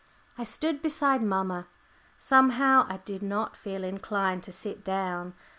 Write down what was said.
I stood beside mamma. Somehow I did not feel inclined to sit down.